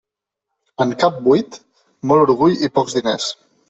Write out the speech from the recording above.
En cap buit, molt orgull i pocs diners.